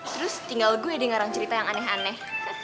terus tinggal gue dengaran cerita yang aneh aneh